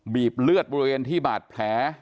บเลือดบริเวณที่บาดแผล